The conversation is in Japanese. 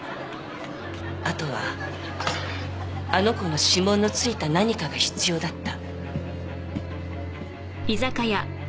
あとはあの子の指紋の付いた何かが必要だった。